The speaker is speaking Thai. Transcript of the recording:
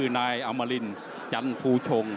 นายอามลินจันทร์ภูชง